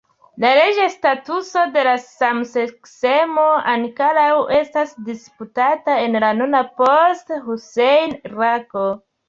La leĝa statuso de la samseksemo ankoraŭ estas disputata en la nuna post-Husejna Irako.